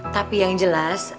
tapi yang jelas